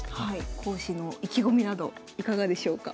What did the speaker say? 講師の意気込みなどいかがでしょうか？